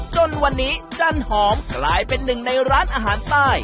จนวันนี้จันหอมกลายเป็นหนึ่งในร้านอาหารใต้